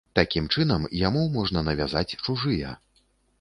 Такім чынам, яму можна навязаць чужыя.